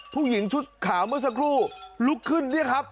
ผู้หญิงชุดขาเมื่อสักครู่ลุกขึ้น